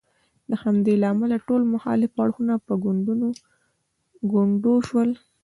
د همدې له امله ټول مخالف اړخونه په ګونډو شول.